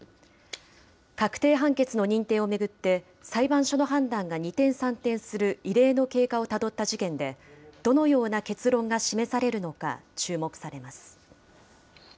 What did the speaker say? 確定判決の認定を巡って、裁判所の判断が二転三転する異例の経過をたどった事件で、どのような結論が示されるのか注目されます。